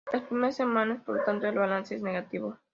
Las primeras semanas, por lo tanto, el balance es negativo.